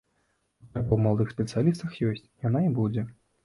Патрэба ў маладых спецыялістах ёсць, яна і будзе.